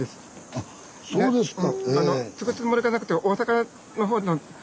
あそうですか。